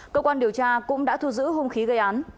cơ quan điều tra cũng đã thu giữ hung khí gây án